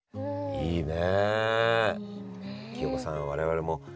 いいね。